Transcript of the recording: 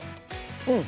うん！